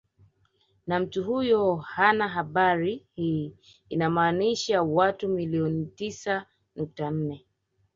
Na mtu huyo hana habari hii inamaanisha watu milioni tisa nukta nne